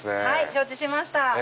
承知しました。